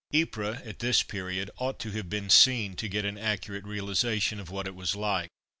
Ypres, at this period, ought to have been seen to get an accurate realization of what it was like.